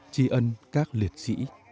chi ân các liệt sĩ